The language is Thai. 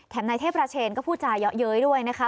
นายเทพราเชนก็พูดจาเยอะเย้ยด้วยนะคะ